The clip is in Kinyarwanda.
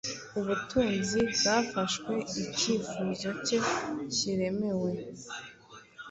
Ubutunzi bwafashweicyifuzo cye kiremewe